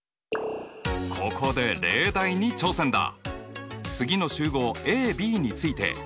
ここで例題に挑戦だ！